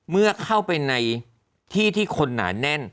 เมื่อเข้าไปในที่ที่คนหนาแน่น